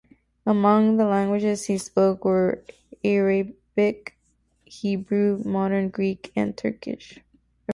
Among the languages he spoke were Arabic, Hebrew, modern Greek, and Turkish.